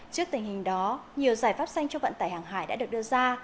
trước tình hình đó nhiều giải pháp xanh cho vận tải hàng hải đã được đưa ra